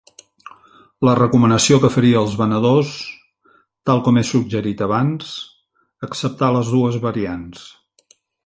La recomanació que faria als venedors... tal com he suggerit abans... acceptar les dues variants.